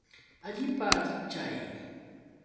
Allipa richkay.